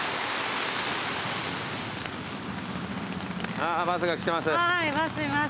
あーバスが来てます。